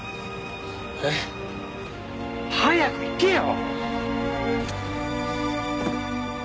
えっ？早く行けよ！